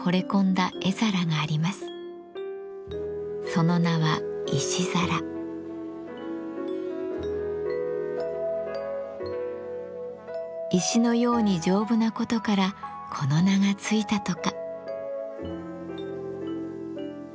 その名は石のように丈夫なことからこの名が付いたとか。